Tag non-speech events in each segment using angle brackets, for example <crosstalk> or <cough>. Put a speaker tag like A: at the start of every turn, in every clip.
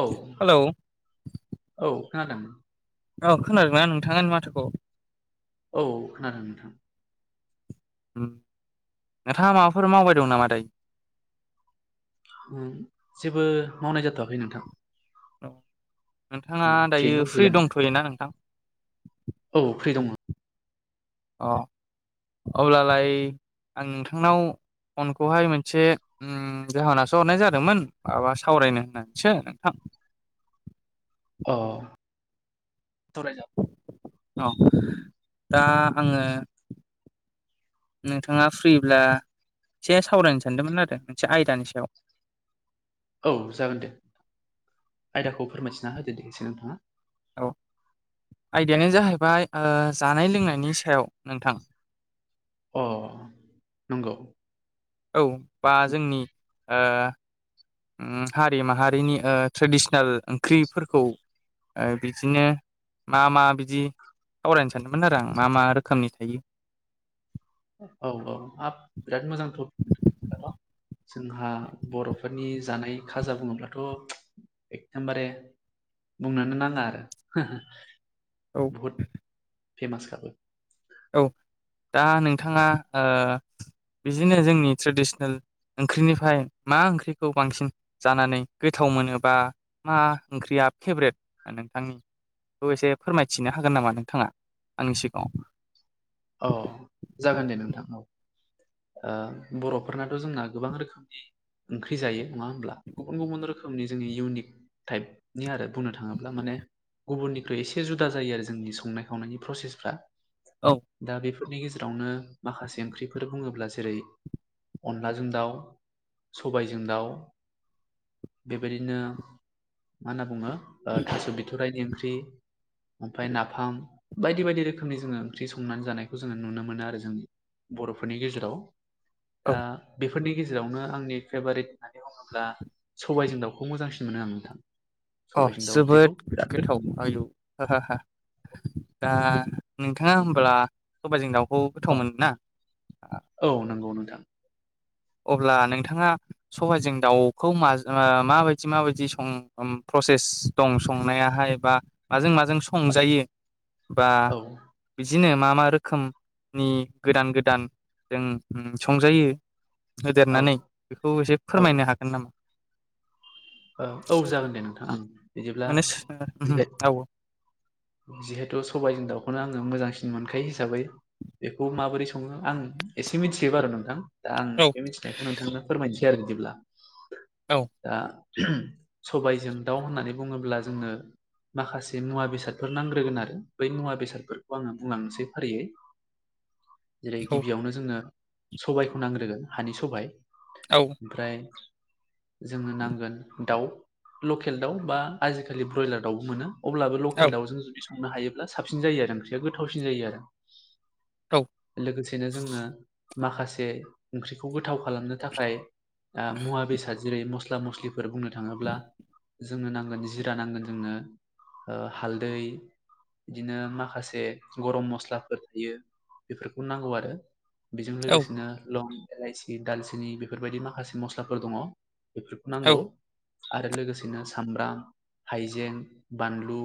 A: औ
B: हेलौ
A: औ खोनादों
B: औ खोनादोंना नोंथां आंनि माथोखौ।
A: औ खोनादों नोंथां
B: नोंथाङा माबाफोर मावबाय दं नामा दायो।
A: जेबो मावनाय जाथ'वाखै नोंथां।
B: नोंथाङा
A: औ
B: दायो
A: फ्रियैनो
B: फ्रि
A: दंथ'यो आं
B: दंथ'योना नोंथां?
A: औ फ्रि दङ।
B: अ अब्लालाय आं नोंथांनाव फनखौहाय मोनसे उम जाहोनावसो हरनाय जादोंमोन माबा सावरायनो होननानैसो नोंथां। <unintelligible>
A: अ सावरायजागोन
B: औ दा आङो नोंथाङा फ्रिब्ला एसे सावरायनो सानदोंमोन आरो मोनसे आयदानि सायाव।
A: औ जागोन दे आयदाखौ फोरमायथिना होदो दे एसे नोंथाङा
B: औ आयदायानो जाहैबाय ओ जानाय लोंनायनि सायाव नोंथां
A: अ नंगौ
B: औ बा जोंनि ओ हारि माहारिनि ओ ट्रेडिसनेल ओंख्रिफोरखौ ओ बिदिनो मा मा बिदि सावरायनो सानदोंमोन आरो आं मा मा रोखोमनि थायो।
A: औ हाब बिराद मोजां टपिक बिदिब्लाथ'। जोंहा बर'फोरनि जानाय खाजा बुङोब्लाथ' एखदोमबारे बुंनोनो नाङा आरो
B: औ
A: फेमास खाबो
B: औ दा नोंथाङा ओ बिदिनो जोंनि ट्रेडिसनेल ओंख्रिनिफ्राय मा ओंख्रिखौ बांसिन जानानै गोथाव मोनो बा मा ओंख्रिया दा फेभरेट नोंथांनिखौ एसे फोरमायथिनो हागोन नामा नोंथाङा आंनि सिगाङाव?
A: अ जागोन दे नोंथां औ ओ बर'फोरनाथ' जोंना गोबां रोखोमनि ओंख्रि जायो नङा होमब्ला गुबुन गुबुन रोखोमनि जोंङनि इउनिक टाइपनि आरो बुंनो थाङोब्ला माने गुबुननिख्रुइ एसे जुदा जायो आरो जोंनि संनाय खावनायनि प्रसेसफ्रा
B: औ
A: दा बेफोरनि गेजेरावनो माखासे ओंख्रिफोर बुङोब्ला जेरै अनलाजों दाउ सबायजों दाउ बेबायदिनो मा होनना बुङो ओ थास' बिथराइनि ओंख्रि ओमफ्राय नाफाम बायदि बायदि रोखोमनि जोङो ओंख्रि सं संनानै जानायखौ जोङो नुनो मोनो आरो जों बर'फोरनि गेजेराव
B: औ
A: दा बेफो फोरनि गेजेरावनो आंनि फेभारेट होननानै बुङोब्ला सबाइजों दाउखौ मोजांसिन मोनो आं नोंथां।
B: अ
A: सबायजों दाउ ओंख्रिखौ
B: जोबोद
A: बिराद
B: गोथाव
A: मोनो
B: आयु दा नोंथाङा होमब्ला सबाइजों दाउखौ
A: औ
B: गोथाव मोनो ना?
A: औ नोंगौ नोंथां
B: अब्ला नोंथाङा सबाइजों दाउखौ माज ओ माबायदि माबायदि सङो उम प्रसेस दं संनायाहाय बा माजों मा माजों
A: औ
B: संजायो बा
A: औ
B: बिदिनो मा मा रोखोमनि गोदान गोदान जों संजायो -
A: औ
B: होदेरनानै बेखौ एसे
A: औ
B: फोरमायनो हागोन नामा
A: औ औ जागोन दे नोंथांं बिदिब्ला
B: माने
A: बिबाय
B: औ
A: जिहेथु सबायाइजों दाउखौनो आङो मोजांसिन मोनखायो हिसाबै बेखौ माबोरै सङो आं एसे मिथियो बार नोंथां दा आं
B: औ
A: बे मिथिनायखौ नोंथांनो फोरमायनोसै आरो बिदिब्ला
B: औ
A: दा सबायजों दाउ होननानै बुङोब्ला जोंङो माखासे मुवा बेसाद फोर नांग्रोगोन आरो बै मुवा बेसादफोरखौ आङो बुंलांनोसै फारियै जेरै गिबियावनो जोंनो सबायाइखौ नांग्रोगोन हानि सबाय
B: औ
A: ओमफ्राय जोंनो नांगोन दाउ लकेल दाउ बा आजिखालि ब्रयलार दाउबो मोनो अब्लाबो
B: औ
A: हटेल दाउजों जुदि संनो हायोब्ला साबसिन जायो आरो ओंख्रिया गोथावसिन जायो आरो लोगोसेनो जोंनो माखासे ओंख्रिखौ गोथाव खालामनो थाखाय मुवा बेसाद जेरै मस्ला मस्लिफोर बुंनो थाङोब्ला जोंनो नांगोन जिरा नांगोन जोंनो हालदै बिदिनो माखासे गरम मस्लाफोर थायो बेफोरखौ नांगौ आरो बेजों लोगोसेनो लं एलाइसि दालचिनि बेफोरबायदि माखासे मस्लाफोर दङ बेफोरखौ
B: औ
A: नांगौ आरो लोगोसेनो सामब्राम हाइजें बानलु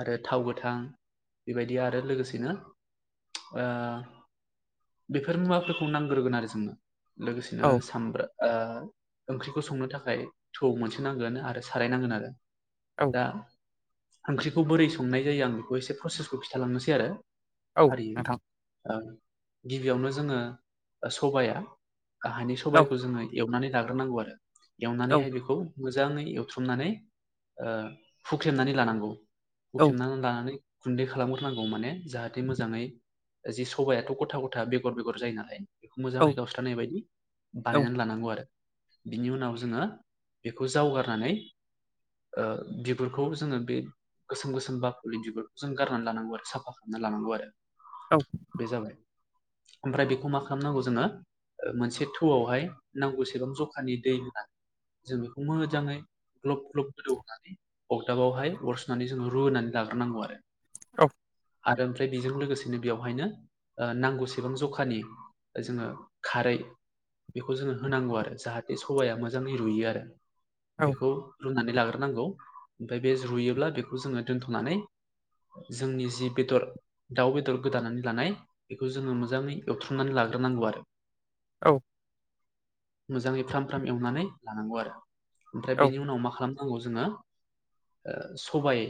A: आरो थाव गोथां बेबायदि आरो लोगोसेनो ओ बेफोर मुवाफोरखौ नांग्रोगोन आरो जोंनो लोगोसेनो
B: औ
A: सामब्राम ओ ओंख्रिखौ संनो थाखाय थौ मोनसे नांगोन आरो सारायनांगोन आरो
B: औ
A: दा ओंख्रिखौ बोरै संनाय जायो आं बेखौ एसे प्रसेसखौ खिन्थाालांनोसै आरो हारि गिबियावनो जोङो सबाया हानि सबाइखौ जोङो एवनानै लाग्रोनांगौ आरो एवनानैहाय बेखौ मोजाङै एवथ्रमनानै हुख्रेमनानै लानांगौ हुख्रेमनानै लानानै गुन्दै खालामग्रोनांगौ माने जाहाथे मोजाङै जि सबबायाथ' गथा गथा बेगर बेगर जायो नालाय बेखौ मोजाङै गावस्रानाय बायदि बानायनानै लानांगौ आरो बिनि उनाव जोङो बेखौ जावगारनानै ओ बिगुरखौ जोङो बे गोसोम गोसोम बाखल बिगुरफोरखौ जों गारनानै लानांगौ आरो साफा खालामना लानांगौ आरो बे जाबाय ओमफ्राय बेखौ मा खालामनांगौ जोङो मोनसे थौआवहाय नांगौसेबां जखानि दै होना जों बेखौ मोजाङै ग्लब ग्लब गोदौ होननानै अगदाबावहाय अर सु नानै जों रु होननानै लाग्रोनांगौ आरो
B: औ
A: आरो ओमफ्राय बेजों लोगोसेनो बेवहायनो नांगौसेबां जखानि जोङो खारै
B: <inaudible>
A: बेखौ जोङो होनांगौ आरो जाहाथे सबाया मोजाङै रुयो आरो बेखौ रुनानै लाग्रोनांगौ ओमफ्राय बे रुयोब्ला बेखौ जोङो दोन्थ'नानै जोंनि जि बेदर दाउ बेदर गोदानानै लानाय बेखौ जोङो मोजाङै एवथ्रुमनानै लानाय लागोरनांगौ आरो
B: औ
A: मोजाङै फ्राम फ्राम एवनानै लानांगौ आरो ओमफ्राय
B: औ
A: बेनि उनाव मा खालाम नांगौ जोङो सं सबाइ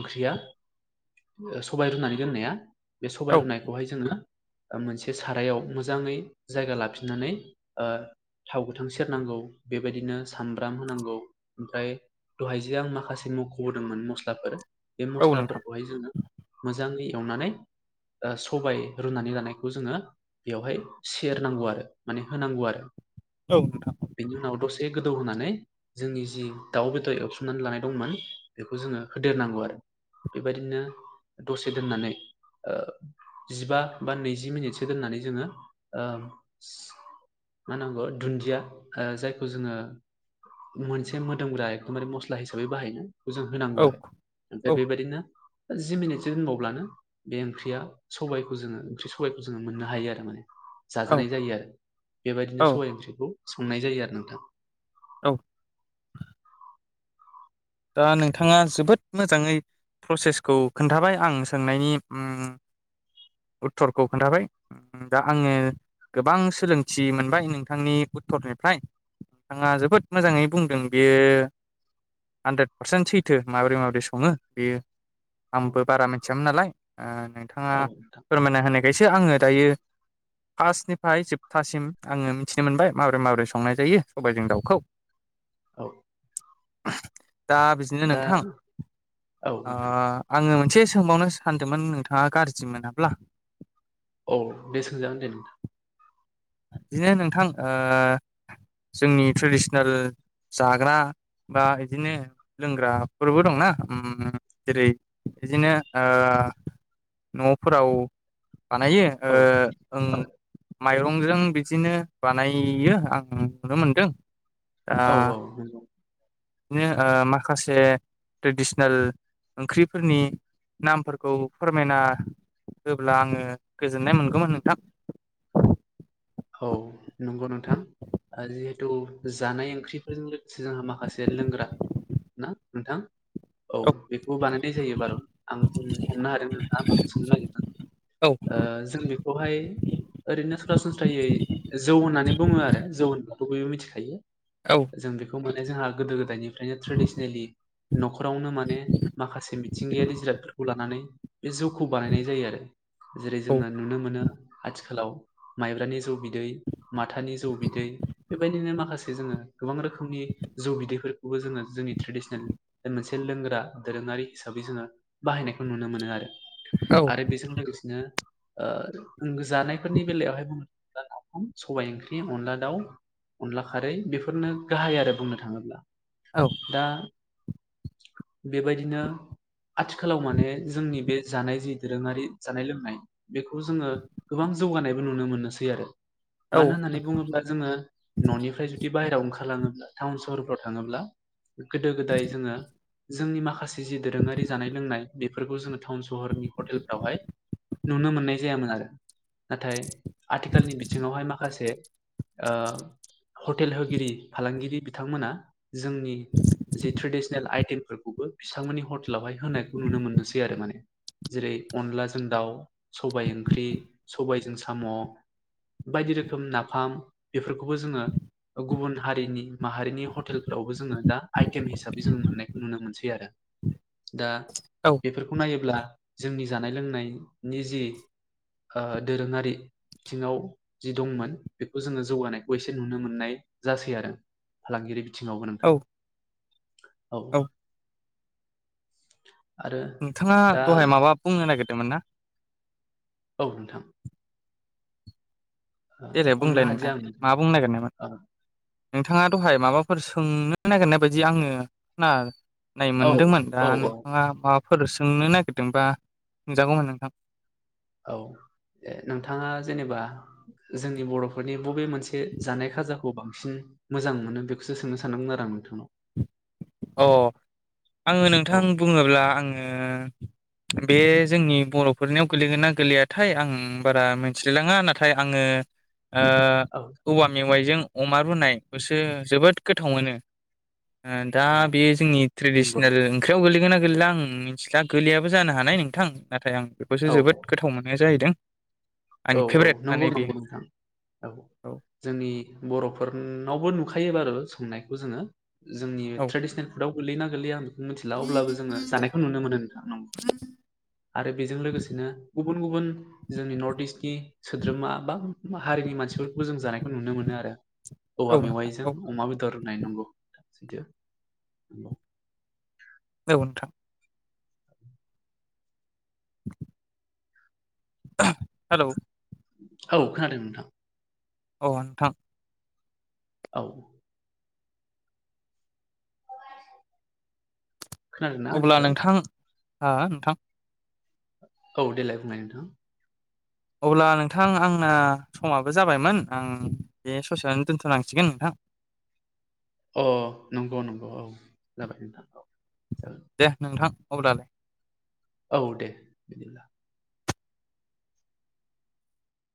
A: ओंख्रिया सबायाइ रुनानै दोननाया बे सबाय रुनायखौहाय जोङो मोनसे सारायाव मोजाङै जायगा लाफिननानै ओ थाव गोथां सेरनांगौ बेबायदिनो सामब्राम होनांगौ ओमफ्राय दहाय जे आं माखासे मख'बोदोंमोन मस्लाफोर बे
B: औ नोंथां
A: मस्लाफोरखौहाय जोङो मोजाङै एवनानै सबाय रुनानै लानायखौ जोङो बेवहाय सेरनांगौ आरो माने होनांगौ आरो
B: औ नोंथां औ नोंथां
A: बिनि उनाव दसे ए गोदौ होनानै जोंनि जि दाउ बेदर एवसोमनानै लानाय दंमोन बेखौ जोङो होदेरनांगौ आरो बेबायदिनो दसे दोननानै औ जिबा बा नैजि मिनिटसो दोननानै जोङो़ ओ मा होनांगौ दुन्दिया जायखौ जोङो मोनसे मोदोमग्रा एखकेबारि मस्ला हिसाबै बाहायनो ेबौजंथंदंजों होनांगौ आरो ओमफ्राय
B: औ
A: बेबायदिनो जि मिनिटसो दोनबावब्लानो बे ओंख्रिया सबाइखौ जोङो ओंख्रि सबाइखौ जोङो मोननो हायो आरो माने।
B: औ
A: जाजानाय जायो आरो बेबायदिनो
B: औ
A: सबाइ ओंख्रिखौ संनाय जायो आरो नोंथां।
B: औ दा नोंथाङा जोबोद मोजाङै प्रसेसखौ खोन्थाबाय आं सोंनायनि ओ उत्तरखौ खोन्थाबाय दा आङो गोबां सोलोंथि मोनबाय नोंथांनि उत्तरनिफ्राय नोंथाङा जोबोद मोजाङै बुंदों
A: औ
B: बेयो हानद्रेद पारसेन्ट सैथो माबोरै माबोरै सङो बेयो
A: औ
B: आंबो बारा मिथियामोन नालाय नोंथाङा
A: औ नोंथां
B: फोरमायना होनायखायसो आङो दायो फार्स्निफ्राय जोबथासिम आङो मिथिनो मोनबाय माबोरै माबोरै संनाय जायो सबाइजों दाउखौ। <inaudible>
A: औ
B: दा बिदिनो
A: दा
B: नोंथां
A: औ नोंथां
B: आङो मोनसे सोंबावनो सानदोंमोन नोंथाङा गाज्रि मोनाब्ला।
A: औ दे सोंजागोन दे
B: बिदिनो नोंथां ओ जोंनि टु्सुनेल जाग्रा बा बिदिनो लोंग्राफोरबो दंना ओ जेरै बिदिनो ओ न फोराव बानायो
A: औ
B: ओ आ
A: औ
B: माइरं आजों बिदिनो बानायो आं नुनो मोनदों दा
A: औ औ नगौ।
B: बिदिनो ओ माखासे ट्रेडिसनेल ओंख्रिफोरनि नामफोरखौ फोरमायना होब्ला आङो गोजोननाय मोनगौमोन नोंथां। <unintelligible>
A: औ नंगौ नोंथां जिहेथु जानाय ओंख्रिफोरजों लोगोसे जोंहा माखासे लोंग्रा ना नोंथां।
B: <inaudible>
A: औ बेखौ बानायनाय जायो बारु' आं बुं हमनो हादोंम नोंथां'आ माखौ सोंनो नागिरदों।
B: औ
A: ओ जों बेखौहाय ओरैनो सरासनस जौ होननानै बुङो आरो जौ बयबो मिथिखायो
B: औ
A: जों बेखौ जोंहा गोदो गोदायनिफ्रायनो ट्रेडिसनेलि न'खरावनो माने माखासे मिथिंगायारि जिरादफोरखौ लानानै बे जौखौ बानायनाय जायो आरो जेरै
B: औ
A: जोङो नुनो मोनो आथिखालाव माइब्रानि जौ बिदै माथानि जौ बिदै बेबायदिनो माखासे जोंङो गोबां रोखोमनि जौ बिदैफोरखौबो जोङो जोंनि ट्रेडिसनेल मोनसे लोंग्रा दोरों आरि हिसाबै जोङो बाहायनायखौ नुनो मोनो आरो
B: औ
A: आरो बेजों लोगोसेनो ओ जानायफोरनि बेलायावहाय अनला नाफाम सबाय ओंख्रि अनला दाउ अनला खारै बेफोरनो गाहाय आरो बुंनो थाङोब्ला दा
B: <inaudible>
A: बेबायदिनो आथिखालाव माने जोंनि बे जानाय जि दोरोङारि जानाय लोंनाय बेखौ जोङो गोबां जौगानायबो नुनो मोननोसै आरो
B: औ
A: मानो होननानै बुङोब्ला जोङो न'निफ्राय जुदि बाहेराव ओंखारलाङोब्ला टाउन सहरफ्राव थाङोब्ला गोदो गोदाय जोङो जोंनि माखासे जि दोरोङारि जानाय लोंनाय बेफोरखौ जोङो थाउन स'हरनि हटेलफ्रावहाय नुनो मोननाय जायामोन आरो नाथाय आथिखालनि बिथिङावहाय माखासे ओ हटेल होगिरि फालांगिरि बिथांमोना जोंनि जे थ्रेडिसनेल आइटेम फोरखौबो बिसांमोननि हटेलावहाय होनायखौ नुनो मोननोसै आरो माने जेरै अनलाजों दाउ सबाय ओंख्रि सबायजों साम' बायदि रोखोम नाफाम बेफोरखौबो जोङो गुबुन हारिनि माहारिनि हटेलफोरावबो जोङो दा आइटेम हिसाबै जोङो मोननायखौ नुनो मोनसै आरो। दा
B: औ
A: बेफोरखौ नायोब्ला जोंनि जानाय लोंनाय नि जि ओ दोरोङारि थिङाव जि दंमोन बेखौ जोङो जौगानायखौ एसे नुनो मोननाय जासै आरो फालांगिरि थिङावबो
B: औ
A: नोंथां औ आरो
B: नोंथाङा
A: दा
B: दहाय माबा बुंनो नागिरदोमोन ना
A: औ नोंथां ओ
B: देलाय
A: हमनो
B: बुंलाय नोंथां
A: हादिया आं
B: मा बुंनो नागिरनायमोन नोंथाङा दहाय माबाफोर सोंनो नागिरनाय बायदि आङो ना नाय
A: ओ
B: मोनदोंमोन दा
A: औ औ
B: नोंथाङा मा फोर सोंनो नागिरदोंबा सोंजागौमोन नोंथां
A: औ ए नोंथाङा जेनेबा जोंनि बर'फोरनि बबे मोनसे जानाय खाजाखौ बांसिन मोजां मोनो बेखौसो सोंनो सानदोंमोन आरो आं <unintelligible>
B: अ आङो नोंथां
A: औ
B: बुङोब्ला आङो बे जोंनि बर'फोरनियाव गोलैगोना गोलैयाथाय आं बारा मोन्थिलाय लाङा नाथाय आङो ओ
A: औ
B: औवा मेवाइजों अमा रुनाय खौसो जोबोद गोथाव मोनो ओ दा
A: अ
B: बेयो जोंनि
A: नंगौ
B: ट्रेडिसनेल ओंख्रियाव गोलैगोना गोलैला आं मिन्थिला गोलैयाबो जानो हानाय नोंथां नाथाय आं बेखौसो
A: औ
B: जोबोद गोथाव मोननाय जाहैदों
A: औ
B: आंनि
A: औ
B: फेभरेट
A: नंगौ
B: माने बे
A: नंगौ नोंथां औ जोंनि बर'फोर नावबो नुखायो बारु <unintelligible> नायखौ जोङो जोंनि
B: औ
A: थ्रेडिसनेल फुडाव गोलैयोना गोलैया आं मिनथिला अब्लाबो जोङो जानायखौ नुनो मोनो नोंथां नंगौ आरो बेजों लोगोसेनो <unintelligible> बुन गुबुन जोंनि नर्थ इस्ट नि सोद्रोमा बा हारिनि मानसिफोरखौबो जों जानायखौ नुनो मोनो आरो
B: औ
A: औवा
B: नोंथां
A: मेवाइजों
B: औ
A: अमा बेदर नाय नंगौ सैथो नंगौ
B: औ नोंथां <unintelligible> हेलौ
A: औ खोनादों नोंथां
B: ओ नोंथां
A: औ खोनादों ना
B: अब्ला
A: आंनिखौ
B: नोंथां हा नोंथां
A: औ देलाइ बुंनाय नोंथां
B: अब्ला नोंथां आंना समाबो जाबायमोन आं बे ससेयावनो दोनथ'नांसिगोन नोंथां <inaudible>
A: अ नंगौ नंगौ औ जाबाय नोंथां अ
B: दे नोंथां अब्लालाय
A: औ दे बिदिब्ला